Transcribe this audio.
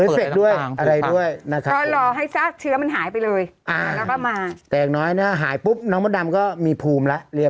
เอาให้เสร็จด้วยอะไรด้วย